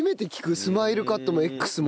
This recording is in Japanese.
スマイルカットもＸも。